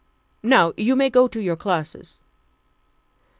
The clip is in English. Now you may go to your classes."